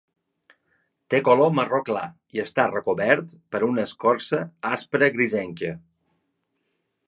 Té color marró clar i està recobert per una escorça aspra grisenca.